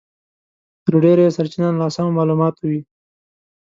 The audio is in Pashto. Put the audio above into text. تر ډېره یې سرچينه له ناسمو مالوماتو وي.